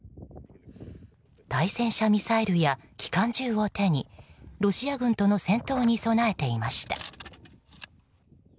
対戦車ミサイルや機関銃を手にロシア軍との戦闘に備えていました。